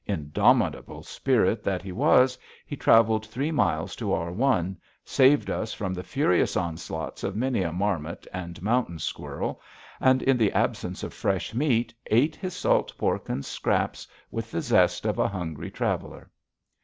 Indomitable spirit that he was, he traveled three miles to our one, saved us from the furious onslaughts of many a marmot and mountain squirrel, and, in the absence of fresh meat, ate his salt pork and scraps with the zest of a hungry traveler.